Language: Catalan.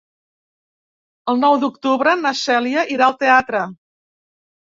El nou d'octubre na Cèlia irà al teatre.